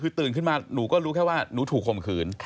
คือตื่นขึ้นมาหนูก็รู้แค่ว่าหนูถูกข่มขืน